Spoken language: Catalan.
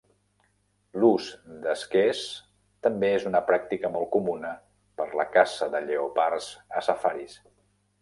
L'ús d'esquers també és una pràctica molt comuna per la caça de lleopards a safaris.